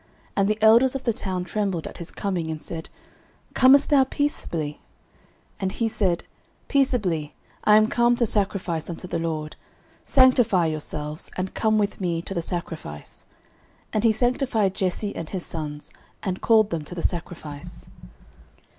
And the elders of the town trembled at his coming, and said, Comest thou peaceably? 09:016:005 And he said, Peaceably: I am come to sacrifice unto the LORD: sanctify yourselves, and come with me to the sacrifice. And he sanctified Jesse and his sons, and called them to the sacrifice.